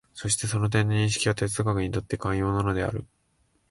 そしてその点の認識が哲学にとって肝要なのである。